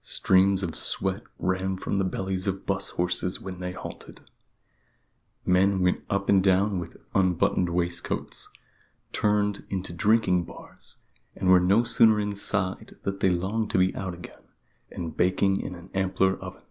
Streams of sweat ran from the bellies of 'bus horses when they halted. Men went up and down with unbuttoned waistcoats, turned into drinking bars, and were no sooner inside than they longed to be out again, and baking in an ampler oven.